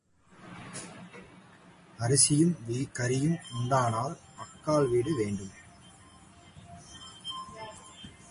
அரிசியும் கறியும் உண்டானால் அக்காள் வீடு வேண்டும்.